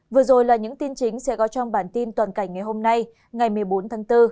vừa rồi là những tin chính sẽ có trong bản tin toàn cảnh ngày hôm nay ngày một mươi bốn tháng bốn